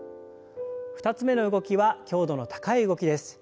２つ目の動きは強度の高い動きです。